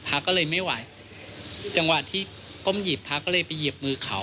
พระก็เลยไม่ไหวจังหวะที่ก้มหยิบพระก็เลยไปหยิบมือเขา